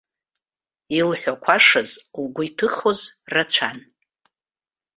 Илҳәақәашаз, лгәы иҭыхоз рацәан.